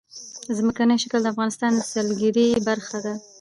ځمکنی شکل د افغانستان د سیلګرۍ برخه ده.